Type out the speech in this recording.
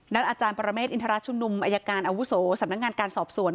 อาจารย์ปรเมฆอินทรชุมนุมอายการอาวุโสสำนักงานการสอบสวน